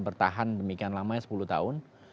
bertahan demikian lamanya sepuluh tahun